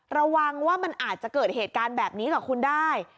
ระวังว่ามันอาจจะเกิดเหตุการณ์แบบนี้กับคุณได้